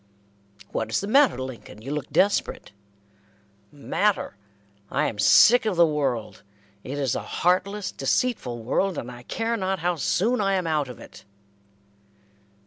"What is the matter, Lincoln? You look desperate." "Matter! I am sick of the world. It is a heartless, deceitful world, and I care not how soon I am out of it."